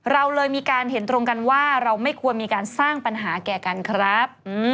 เราเลยมีการเห็นตรงกันว่าเราไม่ควรมีการสร้างปัญหาแก่กันครับ